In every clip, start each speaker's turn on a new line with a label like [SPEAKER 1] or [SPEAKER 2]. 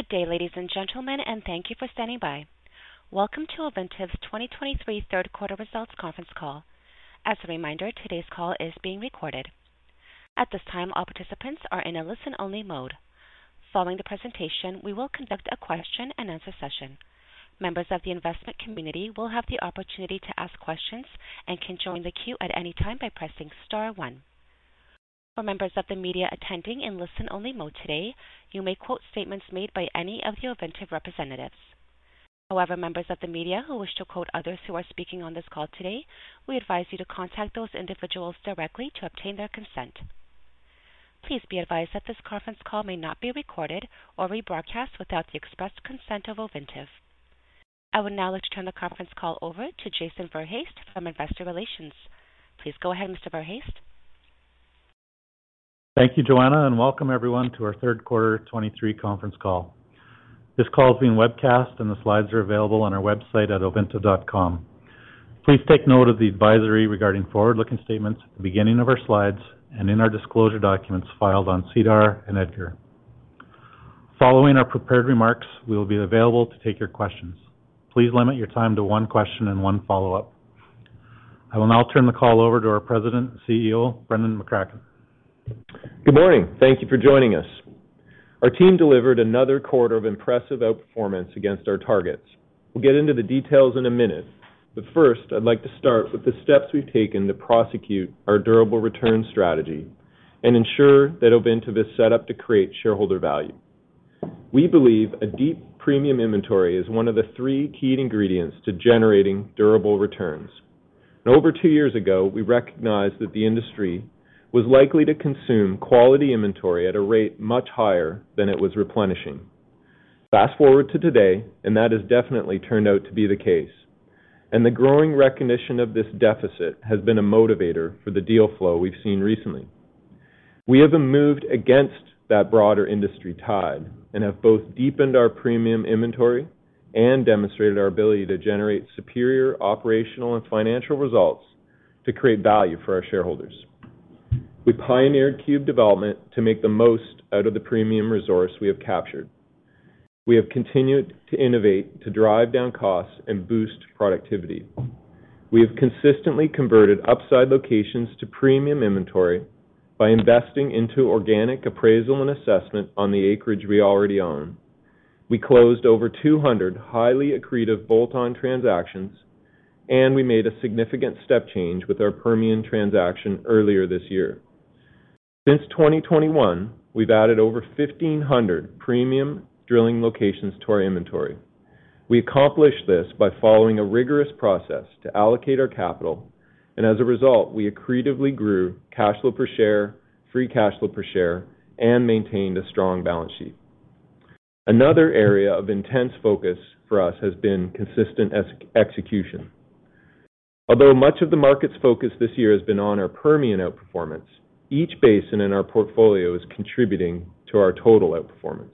[SPEAKER 1] Good day, ladies and gentlemen, and thank you for standing by. Welcome to Ovintiv's 2023 third quarter results conference call. As a reminder, today's call is being recorded. At this time, all participants are in a listen-only mode. Following the presentation, we will conduct a question-and-answer session. Members of the investment community will have the opportunity to ask questions and can join the queue at any time by pressing star one. For members of the media attending in listen-only mode today, you may quote statements made by any of the Ovintiv representatives. However, members of the media who wish to quote others who are speaking on this call today, we advise you to contact those individuals directly to obtain their consent. Please be advised that this conference call may not be recorded or rebroadcast without the express consent of Ovintiv. I would now like to turn the conference call over to Jason Verhaest from Investor Relations. Please go ahead, Mr. Verhaest.
[SPEAKER 2] Thank you, Joanna, and welcome everyone to our third quarter 2023 conference call. This call is being webcast and the slides are available on our website at ovintiv.com. Please take note of the advisory regarding forward-looking statements at the beginning of our slides and in our disclosure documents filed on SEDAR and EDGAR. Following our prepared remarks, we will be available to take your questions. Please limit your time to one question and one follow-up. I will now turn the call over to our President and CEO, Brendan McCracken.
[SPEAKER 3] Good morning. Thank you for joining us. Our team delivered another quarter of impressive outperformance against our targets. We'll get into the details in a minute, but first I'd like to start with the steps we've taken to prosecute our durable return strategy and ensure that Ovintiv is set up to create shareholder value. We believe a deep premium inventory is one of the three key ingredients to generating durable returns. And over two years ago, we recognized that the industry was likely to consume quality inventory at a rate much higher than it was replenishing. Fast forward to today, and that has definitely turned out to be the case, and the growing recognition of this deficit has been a motivator for the deal flow we've seen recently. We haven't moved against that broader industry tide and have both deepened our premium inventory and demonstrated our ability to generate superior operational and financial results to create value for our shareholders. We pioneered Cube Development to make the most out of the premium resource we have captured. We have continued to innovate, to drive down costs and boost productivity. We have consistently converted upside locations to premium inventory by investing into organic appraisal and assessment on the acreage we already own. We closed over 200 highly accretive bolt-on transactions, and we made a significant step change with our Permian transaction earlier this year. Since 2021, we've added over 1,500 premium drilling locations to our inventory. We accomplished this by following a rigorous process to allocate our capital, and as a result, we accretively grew cash flow per share, free cash flow per share, and maintained a strong balance sheet. Another area of intense focus for us has been consistent execution. Although much of the market's focus this year has been on our Permian outperformance, each basin in our portfolio is contributing to our total outperformance.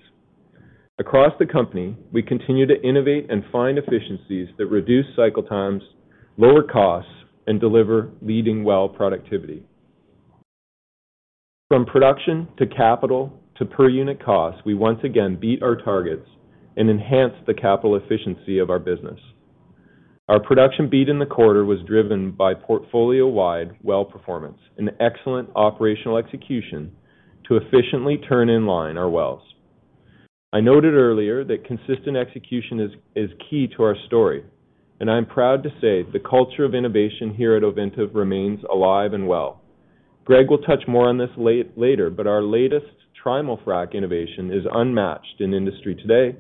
[SPEAKER 3] Across the company, we continue to innovate and find efficiencies that reduce cycle times, lower costs, and deliver leading well productivity. From production to capital to per unit cost, we once again beat our targets and enhanced the capital efficiency of our business. Our production beat in the quarter was driven by portfolio-wide well performance and excellent operational execution to efficiently turn in line our wells. I noted earlier that consistent execution is key to our story, and I'm proud to say the culture of innovation here at Ovintiv remains alive and well. Greg will touch more on this later, but our latest Trimul-Frac innovation is unmatched in industry today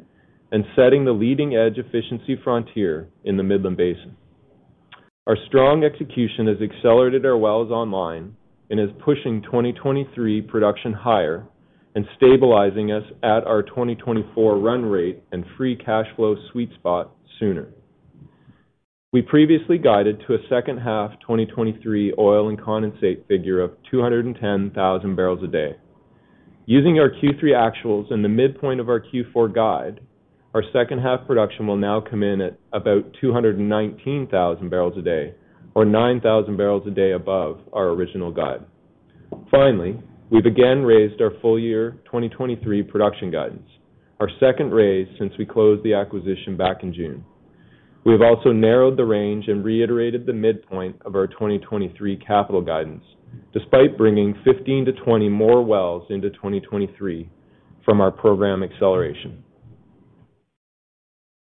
[SPEAKER 3] and setting the leading-edge efficiency frontier in the Midland Basin. Our strong execution has accelerated our wells online and is pushing 2023 production higher and stabilizing us at our 2024 run rate and free cash flow sweet spot sooner. We previously guided to a second-half 2023 oil and condensate figure of 210,000 barrels a day. Using our Q3 actuals and the midpoint of our Q4 guide, our second-half production will now come in at about 219,000 barrels a day, or 9,000 barrels a day above our original guide. Finally, we've again raised our full-year 2023 production guidance, our second raise since we closed the acquisition back in June. We have also narrowed the range and reiterated the midpoint of our 2023 capital guidance, despite bringing 15-20 more wells into 2023 from our program acceleration.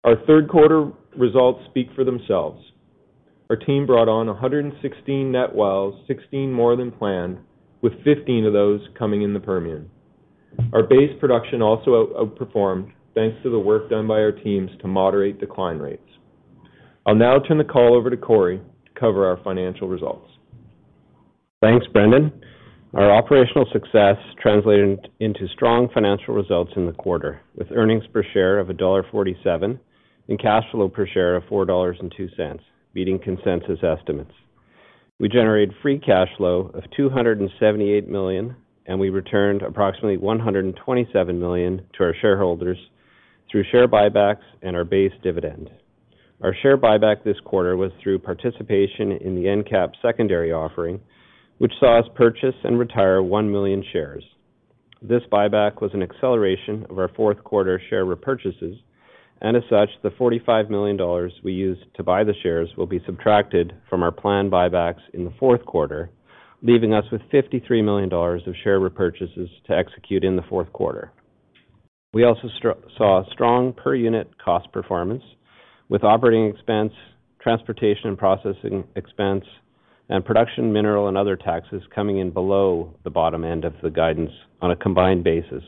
[SPEAKER 3] Our third quarter results speak for themselves. Our team brought on 116 net wells, 16 more than planned, with 15 of those coming in the Permian. Our base production also outperformed, thanks to the work done by our teams to moderate decline rates. I'll now turn the call over to Corey to cover our financial results.
[SPEAKER 4] Thanks, Brendan. Our operational success translated into strong financial results in the quarter, with earnings per share of $1.47 and cash flow per share of $4.02, beating consensus estimates. We generated free cash flow of $278 million, and we returned approximately $127 million to our shareholders through share buybacks and our base dividend. ...Our share buyback this quarter was through participation in the EnCap secondary offering, which saw us purchase and retire 1 million shares. This buyback was an acceleration of our fourth quarter share repurchases, and as such, the $45 million we used to buy the shares will be subtracted from our planned buybacks in the fourth quarter, leaving us with $53 million of share repurchases to execute in the fourth quarter. We also saw strong per unit cost performance, with operating expense, transportation and processing expense, and production mineral and other taxes coming in below the bottom end of the guidance on a combined basis.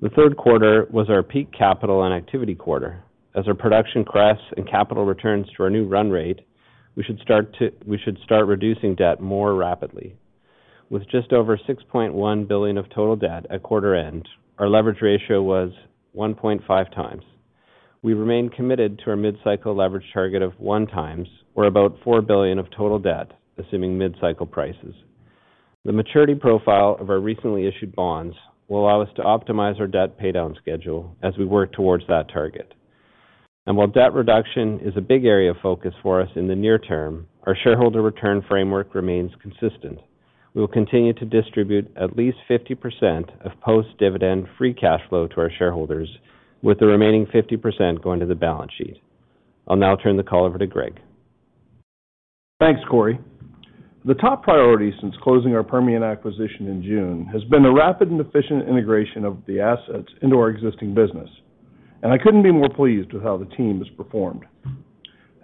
[SPEAKER 4] The third quarter was our peak capital and activity quarter. As our production crests and capital returns to our new run rate, we should start reducing debt more rapidly. With just over $6.1 billion of total debt at quarter end, our leverage ratio was 1.5x. We remain committed to our mid-cycle leverage target of 1x, or about $4 billion of total debt, assuming mid-cycle prices. The maturity profile of our recently issued bonds will allow us to optimize our debt paydown schedule as we work towards that target. And while debt reduction is a big area of focus for us in the near term, our shareholder return framework remains consistent. We will continue to distribute at least 50% of post-dividend free cash flow to our shareholders, with the remaining 50% going to the balance sheet. I'll now turn the call over to Greg.
[SPEAKER 5] Thanks, Corey. The top priority since closing our Permian acquisition in June has been the rapid and efficient integration of the assets into our existing business, and I couldn't be more pleased with how the team has performed.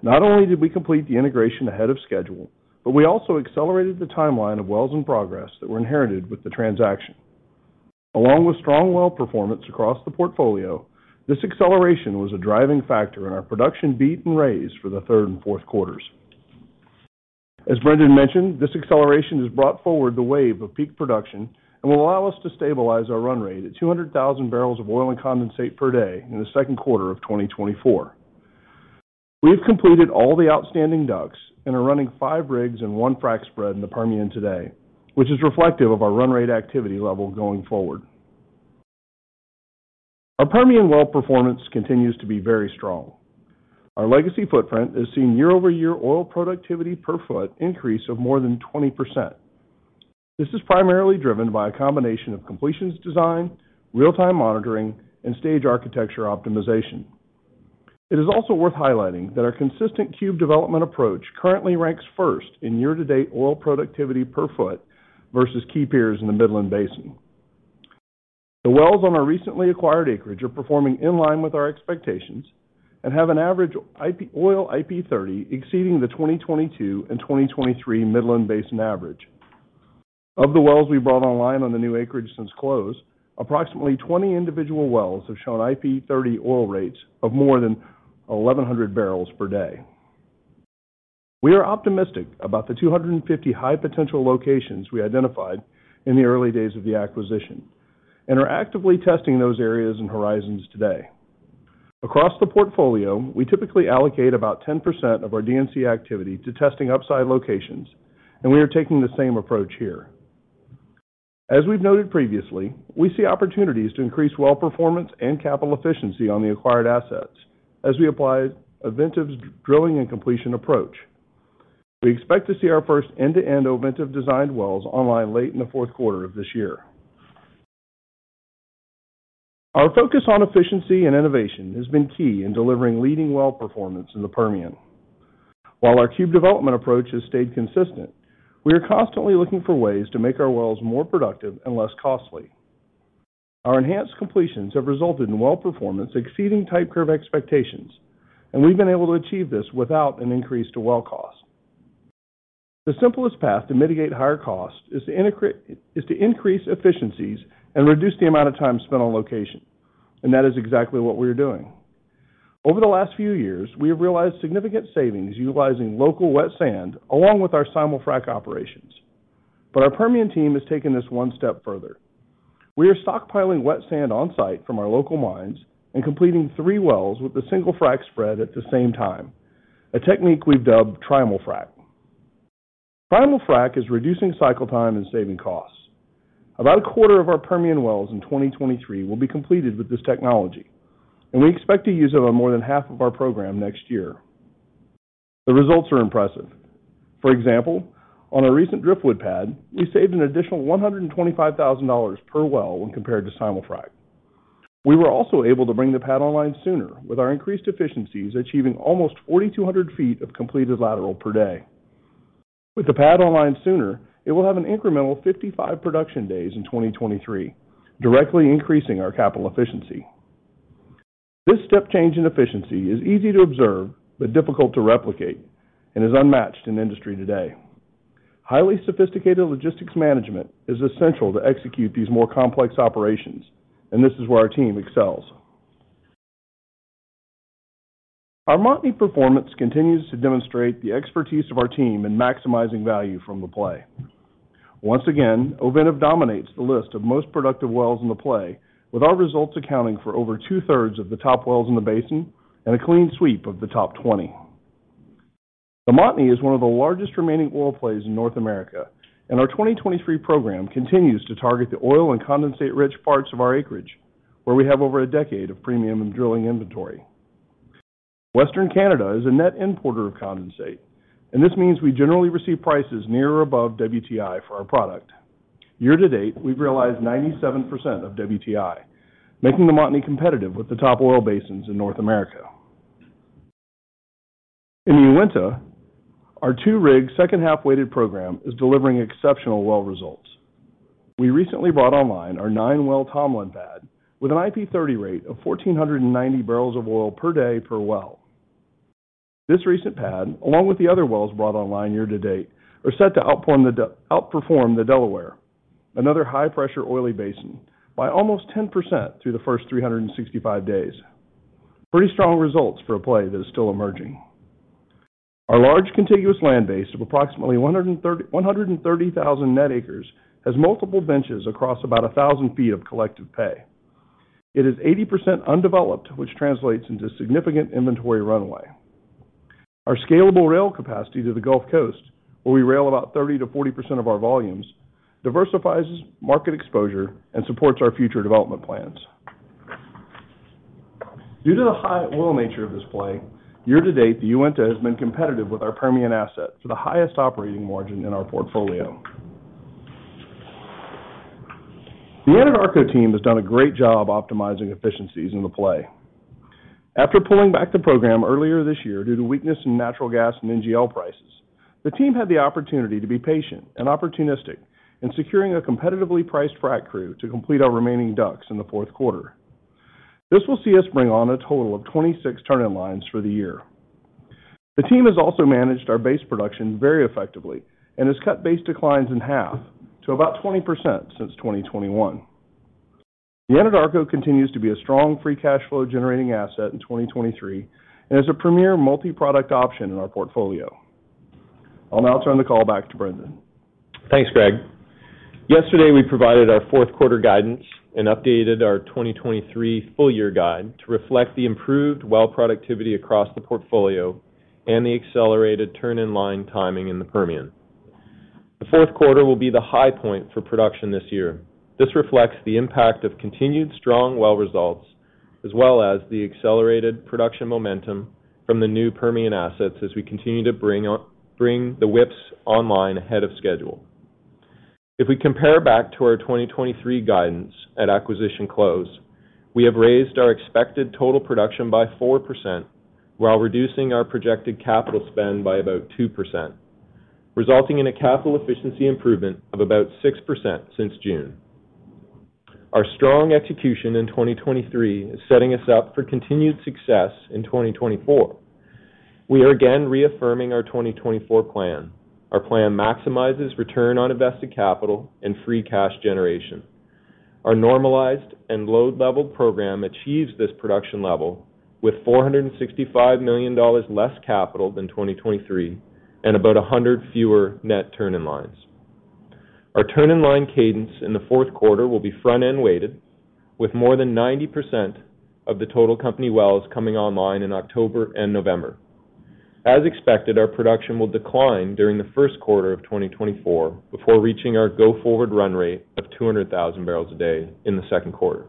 [SPEAKER 5] Not only did we complete the integration ahead of schedule, but we also accelerated the timeline of wells in progress that were inherited with the transaction. Along with strong well performance across the portfolio, this acceleration was a driving factor in our production beat and raise for the third and fourth quarters. As Brendan mentioned, this acceleration has brought forward the wave of peak production and will allow us to stabilize our run rate at 200,000 barrels of oil and condensate per day in the second quarter of 2024. We have completed all the outstanding DUCs and are running five rigs and one frac spread in the Permian today, which is reflective of our run rate activity level going forward. Our Permian well performance continues to be very strong. Our legacy footprint has seen year-over-year oil productivity per foot increase of more than 20%. This is primarily driven by a combination of completions design, real-time monitoring, and stage architecture optimization. It is also worth highlighting that our consistent Cube Development approach currently ranks first in year-to-date oil productivity per foot versus key peers in the Midland Basin. The wells on our recently acquired acreage are performing in line with our expectations and have an average IP, oil IP30 exceeding the 2022 and 2023 Midland Basin average. Of the wells we brought online on the new acreage since close, approximately 20 individual wells have shown IP30 oil rates of more than 1,100 barrels per day. We are optimistic about the 250 high potential locations we identified in the early days of the acquisition and are actively testing those areas and horizons today. Across the portfolio, we typically allocate about 10% of our D&C activity to testing upside locations, and we are taking the same approach here. As we've noted previously, we see opportunities to increase well performance and capital efficiency on the acquired assets as we apply Ovintiv's drilling and completion approach. We expect to see our first end-to-end Ovintiv designed wells online late in the fourth quarter of this year. Our focus on efficiency and innovation has been key in delivering leading well performance in the Permian. While our Cube Development approach has stayed consistent, we are constantly looking for ways to make our wells more productive and less costly. Our enhanced completions have resulted in well performance exceeding type curve expectations, and we've been able to achieve this without an increase to well cost. The simplest path to mitigate higher cost is to increase efficiencies and reduce the amount of time spent on location, and that is exactly what we are doing. Over the last few years, we have realized significant savings utilizing local wet sand along with our Simul-Frac operations. But our Permian team has taken this one step further. We are stockpiling wet sand on-site from our local mines and completing three wells with a single frac spread at the same time, a technique we've dubbed Trimul-Frac. Trimul-Frac is reducing cycle time and saving costs. About a quarter of our Permian wells in 2023 will be completed with this technology, and we expect to use it on more than half of our program next year. The results are impressive. For example, on a recent Driftwood pad, we saved an additional $125,000 per well when compared to Simul-Frac. We were also able to bring the pad online sooner with our increased efficiencies, achieving almost 4,200 feet of completed lateral per day. With the pad online sooner, it will have an incremental 55 production days in 2023, directly increasing our capital efficiency. This step change in efficiency is easy to observe but difficult to replicate and is unmatched in the industry today. Highly sophisticated logistics management is essential to execute these more complex operations, and this is where our team excels. Our Montney performance continues to demonstrate the expertise of our team in maximizing value from the play. Once again, Ovintiv dominates the list of most productive wells in the play, with our results accounting for over 2/3 of the top wells in the basin and a clean sweep of the top 20.... The Montney is one of the largest remaining oil plays in North America, and our 2023 program continues to target the oil and condensate-rich parts of our acreage, where we have over a decade of premium and drilling inventory. Western Canada is a net importer of condensate, and this means we generally receive prices near or above WTI for our product. Year to date, we've realized 97% of WTI, making the Montney competitive with the top oil basins in North America. In Uinta, our two-rig, second-half-weighted program is delivering exceptional well results. We recently brought online our nine-well Tomlin pad with an IP30 rate of 1,490 barrels of oil per day per well. This recent pad, along with the other wells brought online year to date, are set to outperform the Delaware, another high-pressure oily basin, by almost 10% through the first 365 days. Pretty strong results for a play that is still emerging. Our large contiguous land base of approximately 130,000 net acres has multiple benches across about 1,000 feet of collective pay. It is 80% undeveloped, which translates into significant inventory runway. Our scalable rail capacity to the Gulf Coast, where we rail about 30%-40% of our volumes, diversifies market exposure and supports our future development plans. Due to the high oil nature of this play, year to date, the Uinta has been competitive with our Permian asset to the highest operating margin in our portfolio. The Anadarko team has done a great job optimizing efficiencies in the play. After pulling back the program earlier this year due to weakness in natural gas and NGL prices, the team had the opportunity to be patient and opportunistic in securing a competitively priced frac crew to complete our remaining DUCs in the fourth quarter. This will see us bring on a total of 26 turn-in-lines for the year. The team has also managed our base production very effectively and has cut base declines in half to about 20% since 2021. The Anadarko continues to be a strong, free cash flow-generating asset in 2023 and is a premier multi-product option in our portfolio. I'll now turn the call back to Brendan.
[SPEAKER 3] Thanks, Greg. Yesterday, we provided our fourth quarter guidance and updated our 2023 full year guide to reflect the improved well productivity across the portfolio and the accelerated turn-in-line timing in the Permian. The fourth quarter will be the high point for production this year. This reflects the impact of continued strong well results, as well as the accelerated production momentum from the new Permian assets as we continue to bring on, bring the WIPs online ahead of schedule. If we compare back to our 2023 guidance at acquisition close, we have raised our expected total production by 4% while reducing our projected capital spend by about 2%, resulting in a capital efficiency improvement of about 6% since June. Our strong execution in 2023 is setting us up for continued success in 2024. We are again reaffirming our 2024 plan. Our plan maximizes return on invested capital and free cash generation. Our normalized and load-level program achieves this production level with $465 million less capital than 2023 and about 100 fewer net turn-in-lines. Our turn-in-line cadence in the fourth quarter will be front-end weighted, with more than 90% of the total company wells coming online in October and November. As expected, our production will decline during the first quarter of 2024, before reaching our go-forward run rate of 200,000 barrels a day in the second quarter.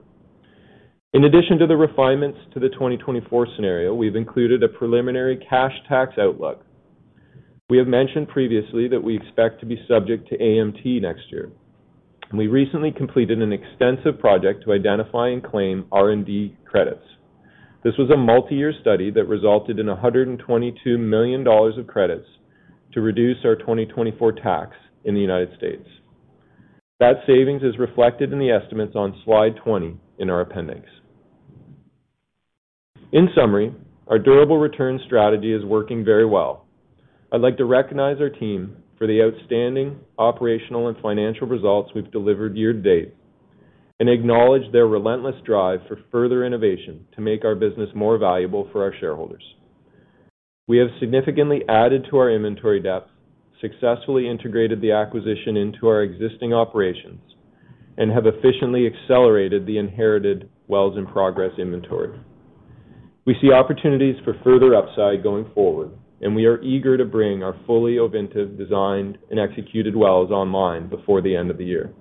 [SPEAKER 3] In addition to the refinements to the 2024 scenario, we've included a preliminary cash tax outlook. We have mentioned previously that we expect to be subject to AMT next year, and we recently completed an extensive project to identify and claim R&D credits. This was a multi-year study that resulted in $122 million of credits to reduce our 2024 tax in the United States. That savings is reflected in the estimates on slide 20 in our appendix. In summary, our durable return strategy is working very well. I'd like to recognize our team for the outstanding operational and financial results we've delivered year to date and acknowledge their relentless drive for further innovation to make our business more valuable for our shareholders. We have significantly added to our inventory depth, successfully integrated the acquisition into our existing operations, and have efficiently accelerated the inherited wells in progress inventory. We see opportunities for further upside going forward, and we are eager to bring our fully Ovintiv designed and executed wells online before the end of the year.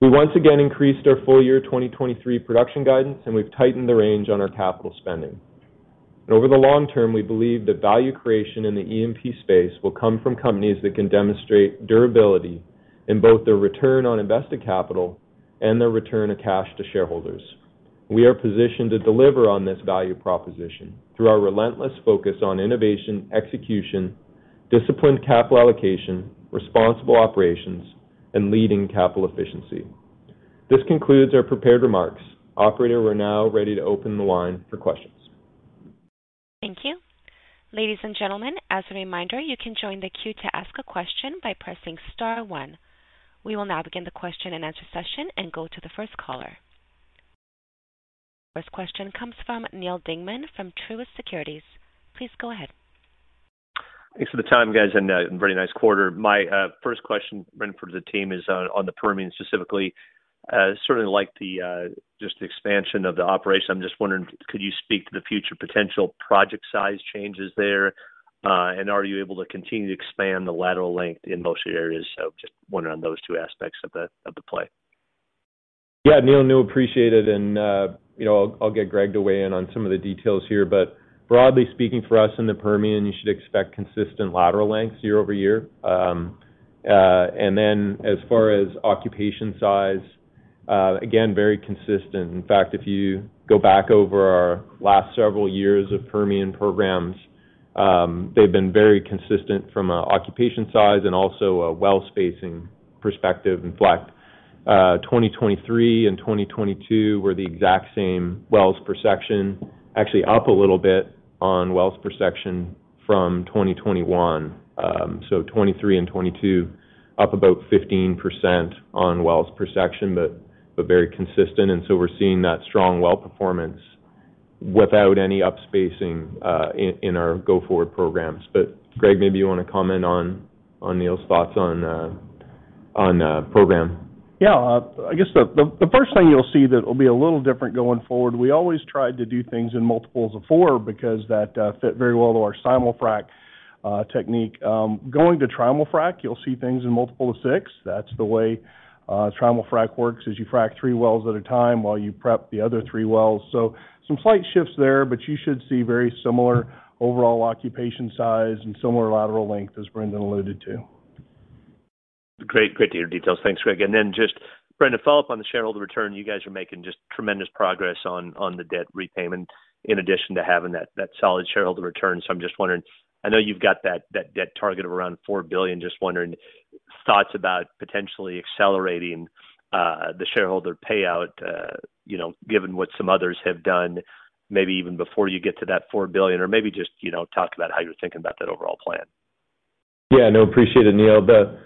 [SPEAKER 3] We once again increased our full year 2023 production guidance, and we've tightened the range on our capital spending. Over the long term, we believe that value creation in the E&P space will come from companies that can demonstrate durability in both their return on invested capital and their return of cash to shareholders. We are positioned to deliver on this value proposition through our relentless focus on innovation, execution, disciplined capital allocation, responsible operations, and leading capital efficiency. This concludes our prepared remarks. Operator, we're now ready to open the line for questions.
[SPEAKER 1] Thank you. Ladies and gentlemen, as a reminder, you can join the queue to ask a question by pressing star one. We will now begin the question-and-answer session and go to the first caller. First question comes from Neal Dingmann from Truist Securities. Please go ahead.
[SPEAKER 6] Thanks for the time, guys, and very nice quarter. My first question, Brendan, for the team is on the Permian, specifically. Certainly like the just the expansion of the operation. I'm just wondering, could you speak to the future potential project size changes there? And are you able to continue to expand the lateral length in most of your areas? So just wondering on those two aspects of the play.
[SPEAKER 3] Yeah, Neal, no, appreciate it, and, you know, I'll, I'll get Greg to weigh in on some of the details here. But broadly speaking, for us in the Permian, you should expect consistent lateral lengths year-over-year. And then, as far as acreage size, again, very consistent. In fact, if you go back over our last several years of Permian programs, they've been very consistent from a acreage size and also a well spacing perspective. In fact, 2023 and 2022 were the exact same wells per section. Actually, up a little bit on wells per section from 2021. So 2023 and 2022, up about 15% on wells per section, but very consistent, and so we're seeing that strong well performance without any upspacing in our go-forward programs. But Greg, maybe you wanna comment on Neal's thoughts on program?
[SPEAKER 5] Yeah, I guess the first thing you'll see that will be a little different going forward, we always tried to do things in multiples of four because that fit very well to our Simul-Frac technique. Going to Trimul-Frac, you'll see things in multiple of six. That's the way Trimul-Frac works, is you frac three wells at a time while you prep the other three wells. So some slight shifts there, but you should see very similar overall occupation size and similar lateral length, as Brendan alluded to.
[SPEAKER 6] Great, great to hear details. Thanks, Greg. Then just, Brendan, follow up on the shareholder return. You guys are making just tremendous progress on the debt repayment, in addition to having that solid shareholder return. So I'm just wondering, I know you've got that debt target of around $4 billion, just wondering, thoughts about potentially accelerating the shareholder payout, you know, given what some others have done, maybe even before you get to that $4 billion, or maybe just, you know, talk about how you're thinking about that overall plan.
[SPEAKER 3] Yeah, no, appreciate it, Neal. But, you know,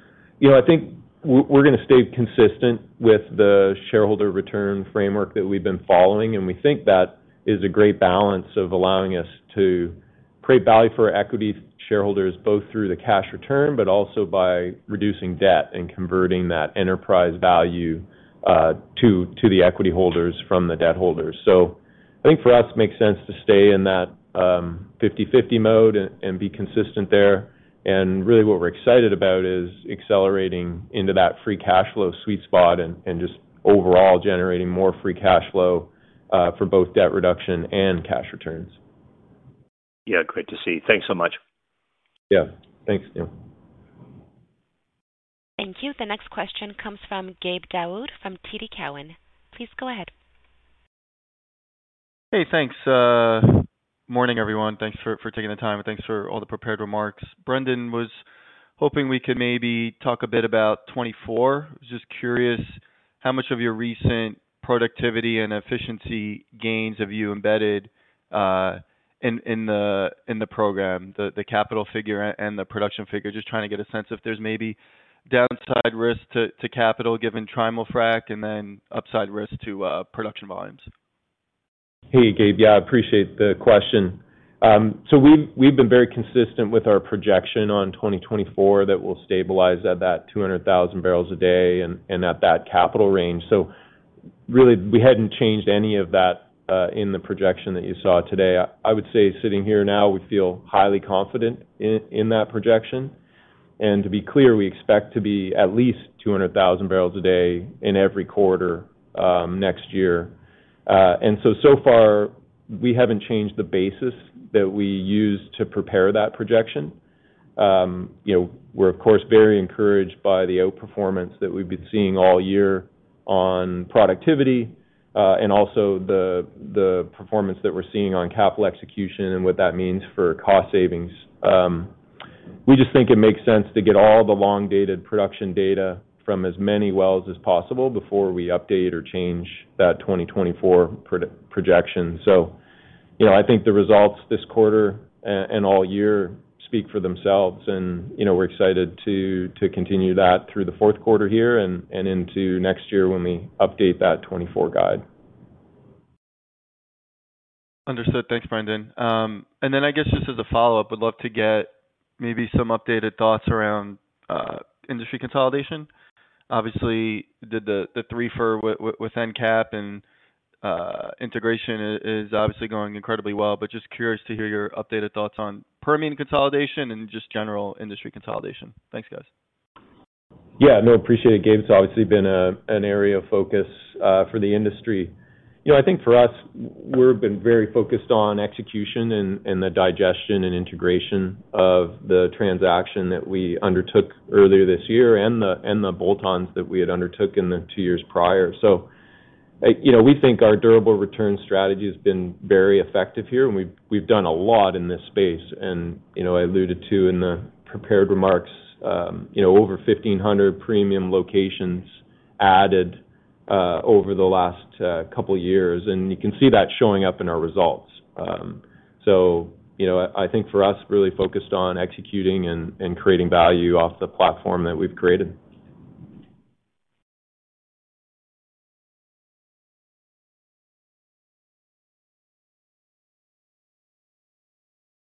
[SPEAKER 3] I think we're gonna stay consistent with the shareholder return framework that we've been following, and we think that is a great balance of allowing us to create value for our equity shareholders, both through the cash return, but also by reducing debt and converting that enterprise value to the equity holders from the debt holders. So I think for us, it makes sense to stay in that 50/50 mode and be consistent there. And really, what we're excited about is accelerating into that free cash flow sweet spot and just overall generating more free cash flow for both debt reduction and cash returns.
[SPEAKER 6] Yeah, great to see. Thanks so much.
[SPEAKER 3] Yeah. Thanks, Neal.
[SPEAKER 1] Thank you. The next question comes from Gabe Daoud from TD Cowen. Please go ahead.
[SPEAKER 7] Hey, thanks. Morning, everyone. Thanks for taking the time, and thanks for all the prepared remarks. Brendan, was hoping we could maybe talk a bit about 2024. Just curious, how much of your recent productivity and efficiency gains have you embedded in the program, the capital figure and the production figure? Just trying to get a sense if there's maybe downside risk to capital, given Trimul-Frac, and then upside risk to production volumes.
[SPEAKER 3] Hey, Gabe. Yeah, I appreciate the question. So we've been very consistent with our projection on 2024, that we'll stabilize at that 200,000 barrels a day and at that capital range. So really, we hadn't changed any of that in the projection that you saw today. I would say, sitting here now, we feel highly confident in that projection. And to be clear, we expect to be at least 200,000 barrels a day in every quarter next year. And so far, we haven't changed the basis that we used to prepare that projection. You know, we're, of course, very encouraged by the outperformance that we've been seeing all year on productivity and also the performance that we're seeing on capital execution and what that means for cost savings. We just think it makes sense to get all the long-dated production data from as many wells as possible before we update or change that 2024 production projection. So, you know, I think the results this quarter and all year speak for themselves and, you know, we're excited to continue that through the fourth quarter here and into next year when we update that 2024 guide.
[SPEAKER 7] Understood. Thanks, Brendan. And then I guess just as a follow-up, I'd love to get maybe some updated thoughts around industry consolidation. Obviously, the threefer with EnCap and integration is obviously going incredibly well, but just curious to hear your updated thoughts on Permian consolidation and just general industry consolidation. Thanks, guys.
[SPEAKER 3] Yeah. No, appreciate it, Gabe. It's obviously been an area of focus for the industry. You know, I think for us, we've been very focused on execution and the digestion and integration of the transaction that we undertook earlier this year, and the bolt-ons that we had undertook in the two years prior. So, you know, we think our durable return strategy has been very effective here, and we've done a lot in this space. And, you know, I alluded to in the prepared remarks, you know, over 1,500 premium locations added over the last couple of years, and you can see that showing up in our results. So, you know, I think for us, really focused on executing and creating value off the platform that we've created.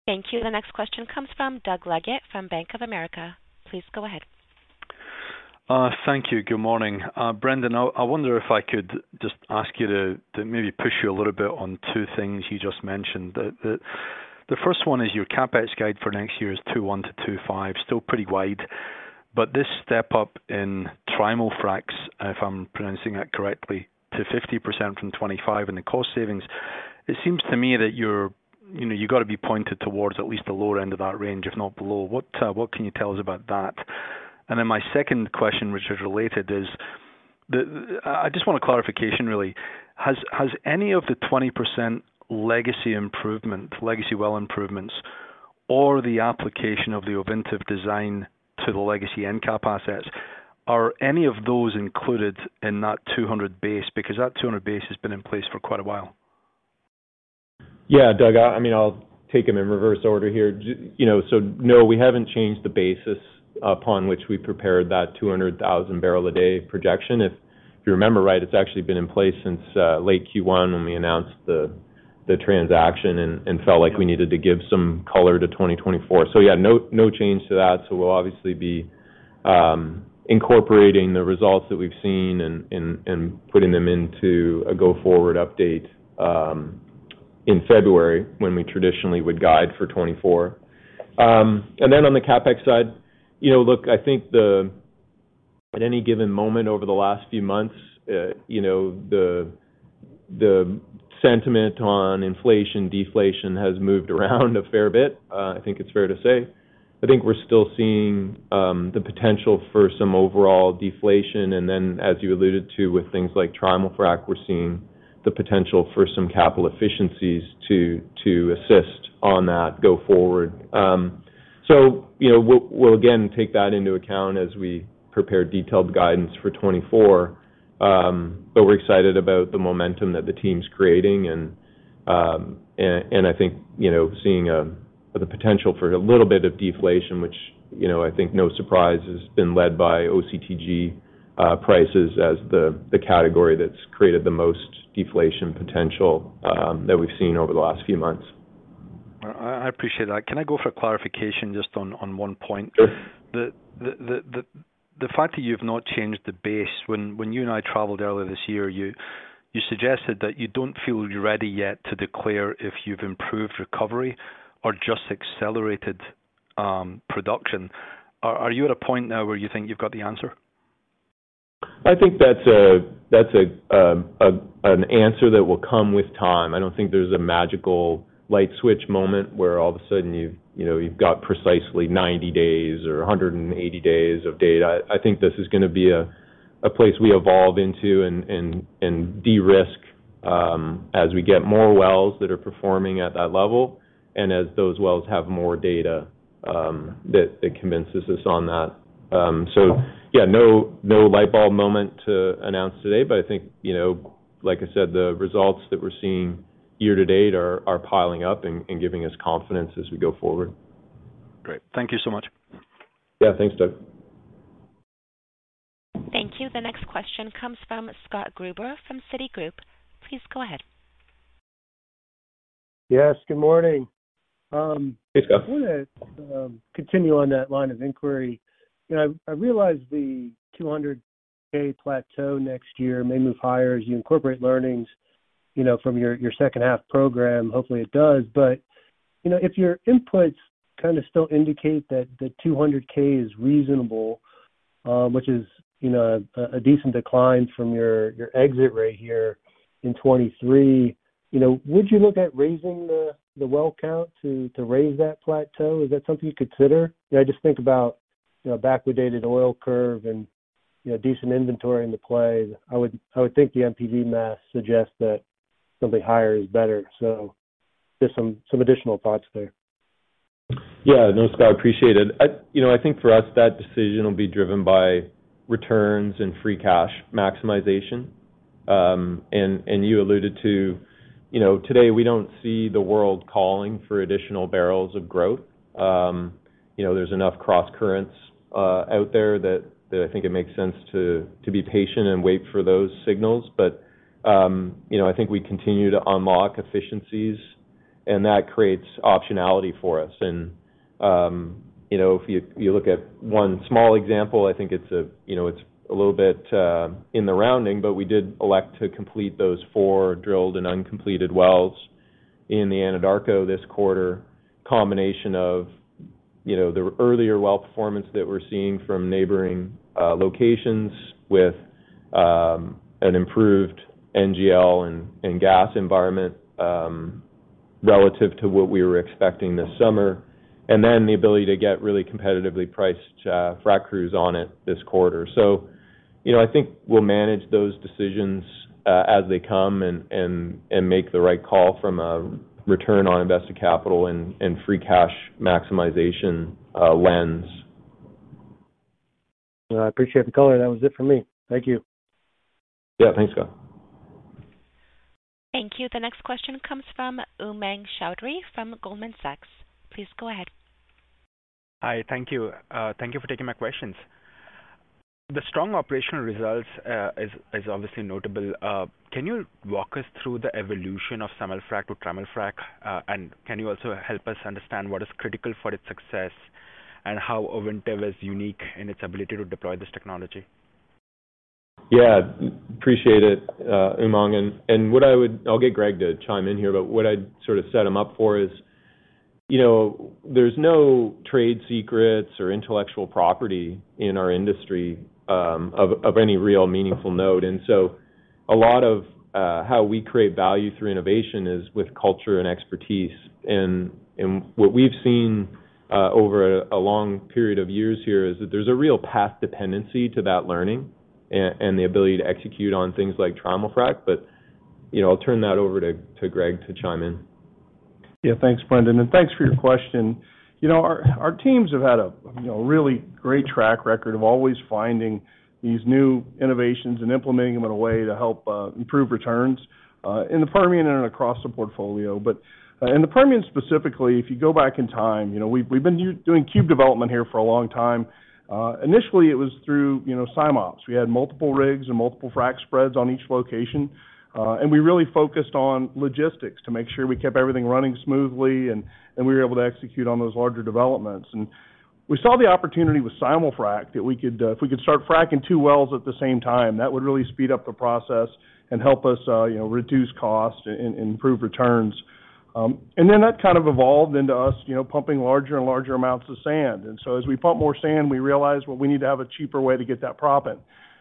[SPEAKER 1] Thank you. The next question comes from Doug Leggate from Bank of America. Please go ahead.
[SPEAKER 8] Thank you. Good morning. Brendan, I wonder if I could just ask you to maybe push you a little bit on two things you just mentioned. The first one is your CapEx guide for next year is $2.1-$2.5, still pretty wide, but this step up in Trimul-Fracs, if I'm pronouncing that correctly, to 50% from 25% in the cost savings, it seems to me that you're, you know, you've got to be pointed towards at least the lower end of that range, if not below. What can you tell us about that? And then my second question, which is related, is the... I just want a clarification, really. Has any of the 20% legacy improvement, legacy well improvements, or the application of the Ovintiv design to the legacy EnCap assets, are any of those included in that 200 base? Because that 200 base has been in place for quite a while.
[SPEAKER 3] Yeah, Doug, I mean, I'll take them in reverse order here. You know, so no, we haven't changed the basis upon which we prepared that 200,000 barrel a day projection. If you remember right, it's actually been in place since late Q1 when we announced the transaction and felt like we needed to give some color to 2024. So yeah, no, no change to that. So we'll obviously be incorporating the results that we've seen and putting them into a go-forward update in February when we traditionally would guide for 2024. And then on the CapEx side, you know, look, I think at any given moment over the last few months, you know, the sentiment on inflation, deflation has moved around a fair bit. I think it's fair to say. I think we're still seeing the potential for some overall deflation, and then, as you alluded to, with things like Trimul-Frac, we're seeing the potential for some capital efficiencies to, to assist on that go forward. So, you know, we'll, we'll again take that into account as we prepare detailed guidance for 2024. But we're excited about the momentum that the team's creating and, and, and I think, you know, seeing the potential for a little bit of deflation, which, you know, I think no surprise, has been led by OCTG prices as the, the category that's created the most deflation potential, that we've seen over the last few months.
[SPEAKER 8] I appreciate that. Can I go for a clarification just on one point?
[SPEAKER 3] Sure.
[SPEAKER 8] The fact that you've not changed the base. When you and I traveled earlier this year, you suggested that you don't feel you're ready yet to declare if you've improved recovery or just accelerated production. Are you at a point now where you think you've got the answer?
[SPEAKER 3] I think that's an answer that will come with time. I don't think there's a magical light switch moment where all of a sudden you've, you know, you've got precisely 90 days or 180 days of data. I think this is gonna be a place we evolve into and de-risk as we get more wells that are performing at that level and as those wells have more data that convinces us on that. So yeah, no light bulb moment to announce today, but I think, you know, like I said, the results that we're seeing year to date are piling up and giving us confidence as we go forward.
[SPEAKER 8] Great. Thank you so much.
[SPEAKER 3] Yeah. Thanks, Doug.
[SPEAKER 1] Thank you. The next question comes from Scott Gruber from Citigroup. Please go ahead.
[SPEAKER 9] Yes, good morning.
[SPEAKER 3] Hey, Scott.
[SPEAKER 9] I want to continue on that line of inquiry. You know, I realize the 200k plateau next year may move higher as you incorporate learnings, you know, from your, your second half program. Hopefully, it does. But, you know, if your inputs kind of still indicate that the 200k is reasonable, which is, you know, a, a decent decline from your, your exit rate here in 2023, you know, would you look at raising the, the well count to, to raise that plateau? Is that something you'd consider? I just think about, you know, a backwardated oil curve and, you know, decent inventory in the play. I would, I would think the NPV mass suggests that something higher is better. So just some, some additional thoughts there.
[SPEAKER 3] Yeah. No, Scott, appreciate it. You know, I think for us, that decision will be driven by returns and free cash maximization. And you alluded to, you know, today we don't see the world calling for additional barrels of growth. You know, there's enough crosscurrents out there that I think it makes sense to be patient and wait for those signals. But you know, I think we continue to unlock efficiencies and that creates optionality for us. And you know, if you look at one small example, I think it's a you know it's a little bit in the rounding, but we did elect to complete those four drilled and uncompleted wells in the Anadarko this quarter. Combination of, you know, the earlier well performance that we're seeing from neighboring locations with an improved NGL and gas environment relative to what we were expecting this summer, and then the ability to get really competitively priced frac crews on it this quarter. So, you know, I think we'll manage those decisions as they come and make the right call from a return on invested capital and free cash maximization lens.
[SPEAKER 9] I appreciate the color. That was it for me. Thank you.
[SPEAKER 3] Yeah. Thanks, Scott.
[SPEAKER 1] Thank you. The next question comes from Umang Choudhary from Goldman Sachs. Please go ahead.
[SPEAKER 10] Hi. Thank you. Thank you for taking my questions.... The strong operational results is obviously notable. Can you walk us through the evolution of Simul-Frac to Trimul-Frac? And can you also help us understand what is critical for its success and how Ovintiv is unique in its ability to deploy this technology?
[SPEAKER 3] Yeah, appreciate it, Umang. And what I would—I'll get Greg to chime in here, but what I'd sort of set him up for is, you know, there's no trade secrets or intellectual property in our industry of any real meaningful note. And so a lot of how we create value through innovation is with culture and expertise. And what we've seen over a long period of years here is that there's a real path dependency to that learning and the ability to execute on things like Trimul-Frac. But, you know, I'll turn that over to Greg to chime in.
[SPEAKER 5] Yeah, thanks, Brendan, and thanks for your question. You know, our teams have had a, you know, really great track record of always finding these new innovations and implementing them in a way to help improve returns in the Permian and across the portfolio. But in the Permian, specifically, if you go back in time, you know, we've been doing Cube Development here for a long time. Initially, it was through, you know, SIMOPS. We had multiple rigs and multiple frac spreads on each location, and we really focused on logistics to make sure we kept everything running smoothly, and we were able to execute on those larger developments. And we saw the opportunity with Simul-Frac, that we could. If we could start fracking two wells at the same time, that would really speed up the process and help us, you know, reduce costs and improve returns. And then that kind of evolved into us, you know, pumping larger and larger amounts of sand. And so, as we pump more sand, we realize, well, we need to have a cheaper way to get that proppant.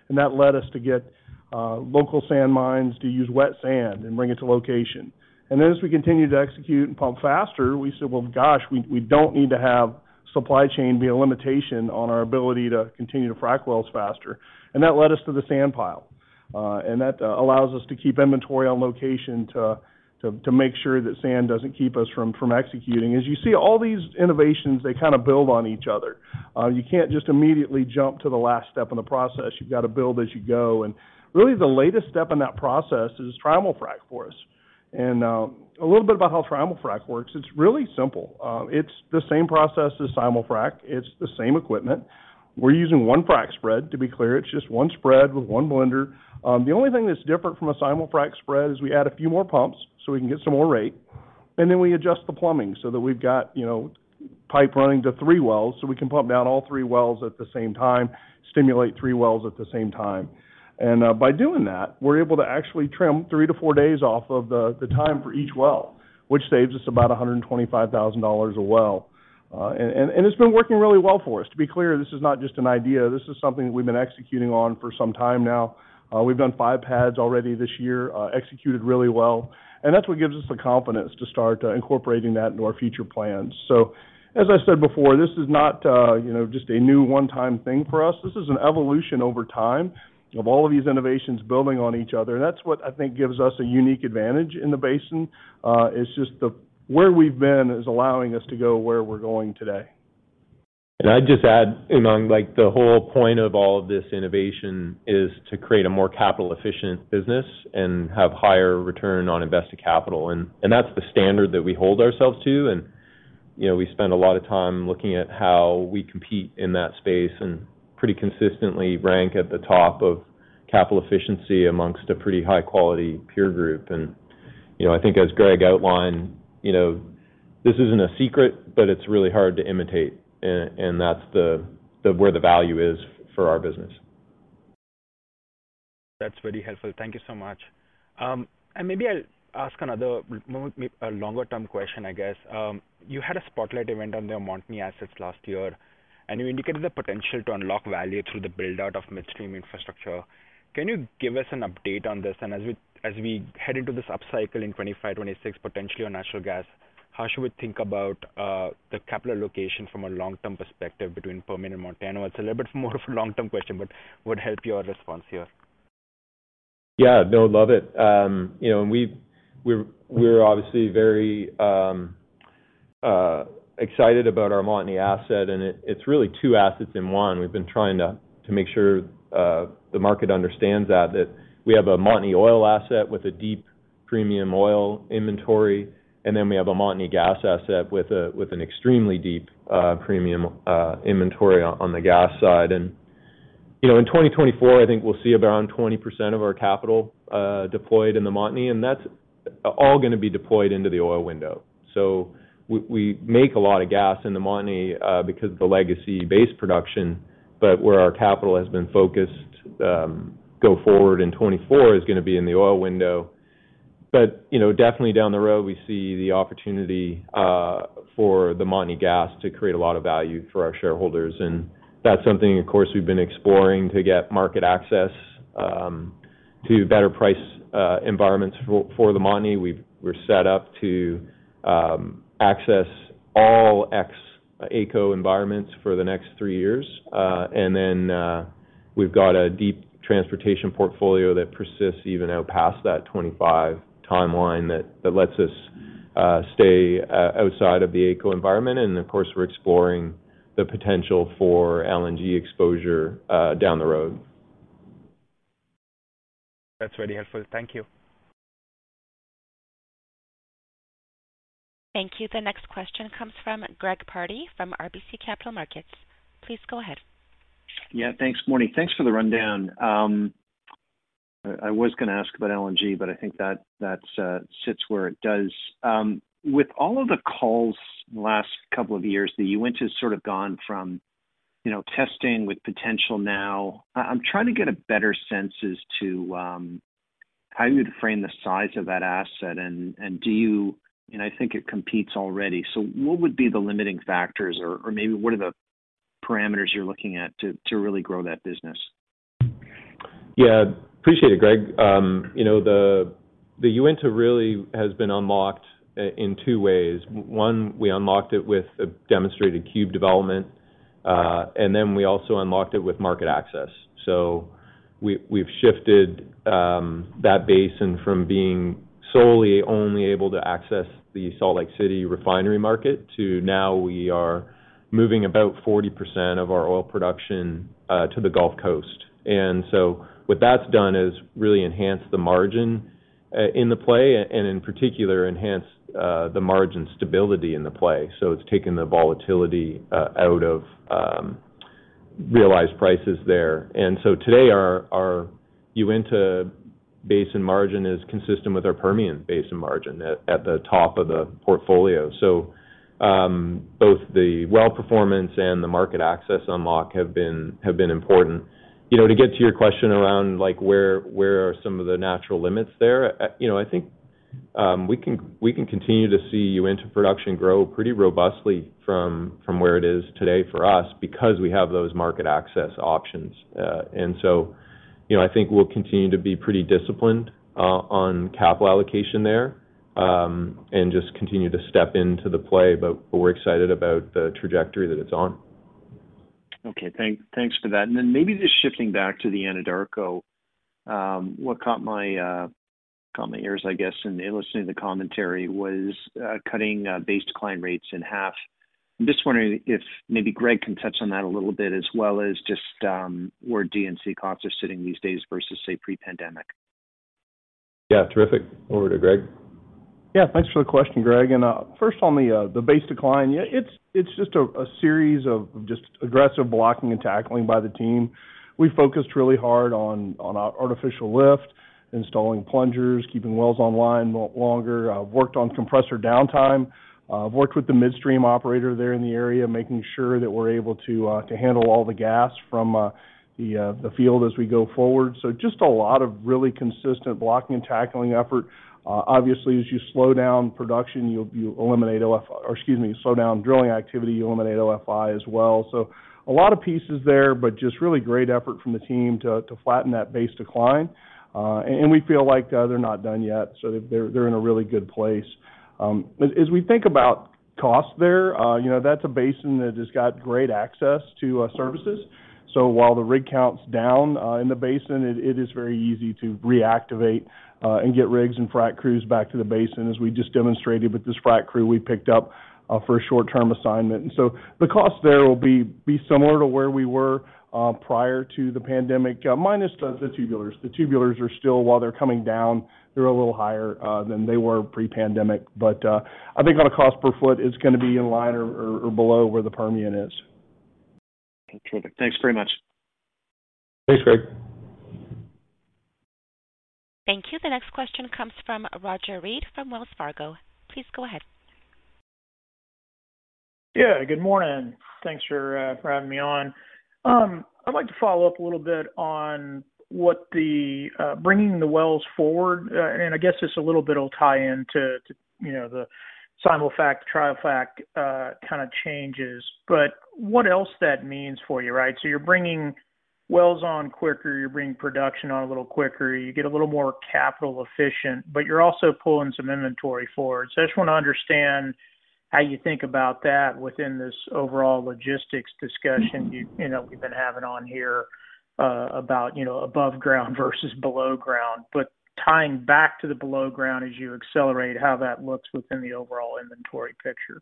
[SPEAKER 5] And that led us to get local sand mines to use wet sand and bring it to location. And then, as we continued to execute and pump faster, we said, "Well, gosh, we don't need to have supply chain be a limitation on our ability to continue to frac wells faster." And that led us to the sand pile, and that allows us to keep inventory on location to make sure that sand doesn't keep us from executing. As you see, all these innovations, they kind of build on each other. You can't just immediately jump to the last step in the process, you've got to build as you go. And really, the latest step in that process is Trimul-Frac for us. And, a little bit about how Trimul-Frac works. It's really simple. It's the same process as Simul-Frac. It's the same equipment. We're using one frac spread. To be clear, it's just one spread with one blender. The only thing that's different from a Simul-Frac spread is we add a few more pumps so we can get some more rate, and then we adjust the plumbing so that we've got, you know, pipe running to three wells, so we can pump down all three wells at the same time, stimulate three wells at the same time. By doing that, we're able to actually trim three to four days off of the time for each well, which saves us about $125,000 a well. And it's been working really well for us. To be clear, this is not just an idea, this is something that we've been executing on for some time now. We've done five pads already this year, executed really well, and that's what gives us the confidence to start incorporating that into our future plans. So, as I said before, this is not, you know, just a new one-time thing for us. This is an evolution over time of all of these innovations building on each other. And that's what I think gives us a unique advantage in the basin is just the where we've been is allowing us to go where we're going today.
[SPEAKER 3] And I'd just add, Umang, like, the whole point of all of this innovation is to create a more capital-efficient business and have higher return on invested capital. And that's the standard that we hold ourselves to. And, you know, we spend a lot of time looking at how we compete in that space, and pretty consistently rank at the top of capital efficiency amongst a pretty high-quality peer group. And, you know, I think as Greg outlined, you know, this isn't a secret, but it's really hard to imitate. And that's the where the value is for our business.
[SPEAKER 10] That's very helpful. Thank you so much. And maybe I'll ask another, more, maybe a longer-term question, I guess. You had a spotlight event on the Montney assets last year, and you indicated the potential to unlock value through the build-out of midstream infrastructure. Can you give us an update on this? And as we, as we head into this upcycle in 2025, 2026, potentially on natural gas, how should we think about, the capital allocation from a long-term perspective between Permian and Montney? It's a little bit more of a long-term question, but would help your response here.
[SPEAKER 3] Yeah, no, love it. You know, and we're, we're obviously very excited about our Montney asset, and it's really two assets in one. We've been trying to make sure the market understands that we have a Montney oil asset with a deep premium oil inventory, and then we have a Montney gas asset with an extremely deep premium inventory on the gas side. And, you know, in 2024, I think we'll see around 20% of our capital deployed in the Montney, and that's all gonna be deployed into the oil window. So we make a lot of gas in the Montney because of the legacy-based production, but where our capital has been focused go forward in 2024 is gonna be in the oil window. But you know, definitely down the road, we see the opportunity for the Montney gas to create a lot of value for our shareholders, and that's something of course we've been exploring to get market access to better price environments for the Montney. We're set up to access all ex-AECO environments for the next three years. And then we've got a deep transportation portfolio that persists even out past that 25 timeline, that lets us stay outside of the AECO environment. And of course, we're exploring the potential for LNG exposure down the road.
[SPEAKER 10] That's very helpful. Thank you.
[SPEAKER 1] Thank you. The next question comes from Greg Pardy from RBC Capital Markets. Please go ahead.
[SPEAKER 11] Yeah, thanks, morning. Thanks for the rundown. I was gonna ask about LNG, but I think that sits where it does. With all of the calls in the last couple of years, the Uinta has sort of gone from, you know, testing with potential now. I'm trying to get a better sense as to how you would frame the size of that asset and do you... And I think it competes already. So what would be the limiting factors or maybe what are the parameters you're looking at to really grow that business?
[SPEAKER 3] Yeah, appreciate it, Greg. You know, the Uinta really has been unlocked in two ways. One, we unlocked it with a demonstrated Cube Development, and then we also unlocked it with market access. So we've shifted that basin from being solely only able to access the Salt Lake City refinery market, to now we are moving about 40% of our oil production to the Gulf Coast. And so what that's done is really enhanced the margin in the play, and in particular, enhanced the margin stability in the play. So it's taken the volatility out of realized prices there. And so today, our Uinta Basin margin is consistent with our Permian Basin margin at the top of the portfolio. So both the well performance and the market access unlock have been important. You know, to get to your question around, like, where, where are some of the natural limits there? You know, I think, we can, we can continue to see Uinta production grow pretty robustly from, from where it is today for us because we have those market access options, and so, you know, I think we'll continue to be pretty disciplined, on capital allocation there, and just continue to step into the play, but we're excited about the trajectory that it's on.
[SPEAKER 11] Okay, thanks for that. Then maybe just shifting back to the Anadarko. What caught my ears, I guess, in listening to the commentary was cutting base decline rates in half. I'm just wondering if maybe Greg can touch on that a little bit, as well as just where D&C costs are sitting these days versus, say, pre-pandemic.
[SPEAKER 3] Yeah, terrific. Over to Greg.
[SPEAKER 5] Yeah, thanks for the question, Greg. First on the base decline. Yeah, it's just a series of just aggressive blocking and tackling by the team. We focused really hard on artificial lift, installing plungers, keeping wells online longer, worked on compressor downtime, worked with the midstream operator there in the area, making sure that we're able to handle all the gas from the field as we go forward. So just a lot of really consistent blocking and tackling effort. Obviously, as you slow down production, you'll eliminate OF-- or excuse me, slow down drilling activity, you eliminate OFI as well. So a lot of pieces there, but just really great effort from the team to flatten that base decline. And we feel like they're not done yet, so they're in a really good place. As we think about cost there, you know, that's a basin that has got great access to services. So while the rig count's down in the basin, it is very easy to reactivate and get rigs and frac crews back to the basin, as we just demonstrated with this frac crew we picked up for a short-term assignment. And so the cost there will be similar to where we were prior to the pandemic, minus the tubulars. The tubulars are still, while they're coming down, a little higher than they were pre-pandemic. But I think on a cost per foot, it's gonna be in line or below where the Permian is.
[SPEAKER 11] Terrific. Thanks very much.
[SPEAKER 5] Thanks, Greg.
[SPEAKER 1] Thank you. The next question comes from Roger Read, from Wells Fargo. Please go ahead.
[SPEAKER 12] Yeah, good morning. Thanks for having me on. I'd like to follow up a little bit on what the bringing the wells forward, and I guess just a little bit will tie into, you know, the Simul-Frac, Trimul-Frac kind of changes, but what else that means for you, right? So you're bringing wells on quicker, you're bringing production on a little quicker, you get a little more capital efficient, but you're also pulling some inventory forward. So I just want to understand how you think about that within this overall logistics discussion, you know, we've been having on here, about, you know, above ground versus below ground. But tying back to the below ground as you accelerate, how that looks within the overall inventory picture.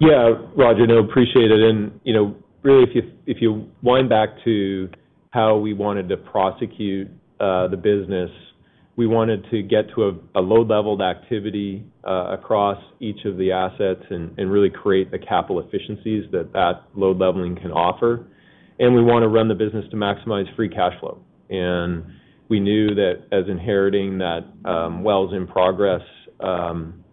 [SPEAKER 3] Yeah, Roger. No, appreciate it. You know, really, if you wind back to how we wanted to prosecute the business, we wanted to get to a low-leveled activity across each of the assets and really create the capital efficiencies that that load leveling can offer. We want to run the business to maximize free cash flow. We knew that as inheriting that wells in progress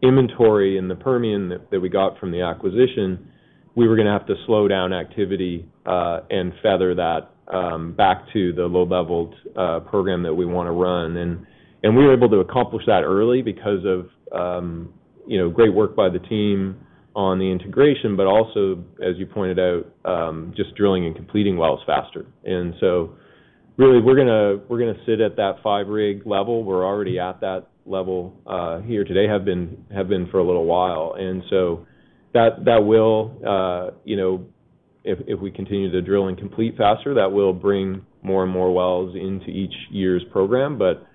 [SPEAKER 3] inventory in the Permian that we got from the acquisition, we were gonna have to slow down activity and feather that back to the low-leveled program that we want to run. We were able to accomplish that early because of, you know, great work by the team on the integration, but also, as you pointed out, just drilling and completing wells faster. And so really, we're gonna, we're gonna sit at that five-rig level. We're already at that level here today, have been, have been for a little while. And so that, that will, you know, if, if we continue to drill and complete faster, that will bring more and more wells into each year's program. But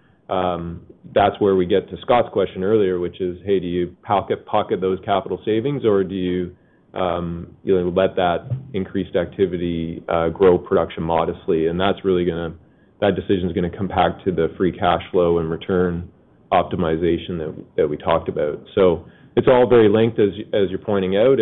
[SPEAKER 3] that's where we get to Scott's question earlier, which is: Hey, do you pocket, pocket those capital savings, or do you, you know, let that increased activity grow production modestly? And that's really gonna. That decision is going to come back to the free cash flow and return optimization that, that we talked about. So it's all very linked, as, as you're pointing out.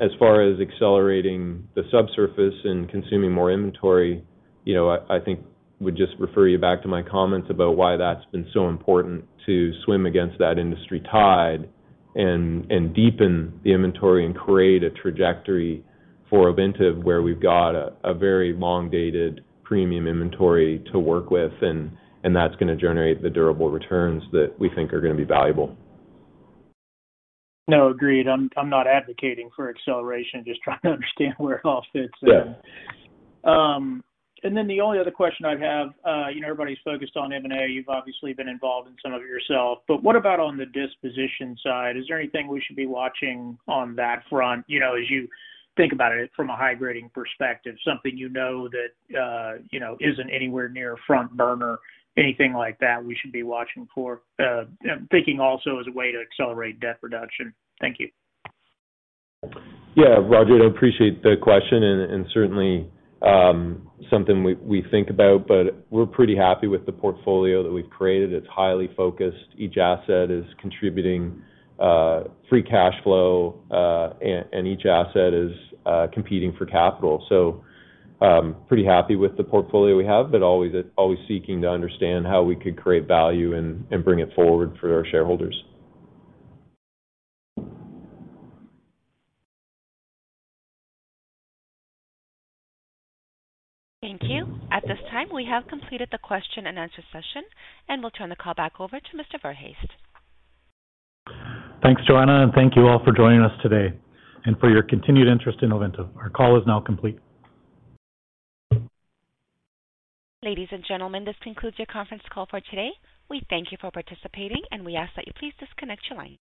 [SPEAKER 3] As far as accelerating the subsurface and consuming more inventory, you know, I think would just refer you back to my comments about why that's been so important to swim against that industry tide and deepen the inventory and create a trajectory for Ovintiv, where we've got a very long-dated premium inventory to work with, and that's going to generate the durable returns that we think are going to be valuable.
[SPEAKER 12] No, agreed. I'm not advocating for acceleration, just trying to understand where it all fits in.
[SPEAKER 3] Yeah.
[SPEAKER 12] And then the only other question I have, you know, everybody's focused on M&A. You've obviously been involved in some of it yourself, but what about on the disposition side? Is there anything we should be watching on that front? You know, as you think about it from a high-grading perspective, something you know that, you know, isn't anywhere near front burner, anything like that we should be watching for? Thinking also as a way to accelerate debt reduction. Thank you.
[SPEAKER 3] Yeah, Roger, I appreciate the question and certainly something we think about, but we're pretty happy with the portfolio that we've created. It's highly focused. Each asset is contributing free cash flow, and each asset is competing for capital. So, pretty happy with the portfolio we have, but always, always seeking to understand how we could create value and bring it forward for our shareholders.
[SPEAKER 1] Thank you. At this time, we have completed the question and answer session, and we'll turn the call back over to Mr. Verhaest.
[SPEAKER 2] Thanks, Joanna, and thank you all for joining us today and for your continued interest in Ovintiv. Our call is now complete.
[SPEAKER 1] Ladies and gentlemen, this concludes your conference call for today. We thank you for participating, and we ask that you please disconnect your lines.